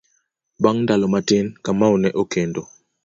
Bang' ndalo matin, Kamau ne okendo.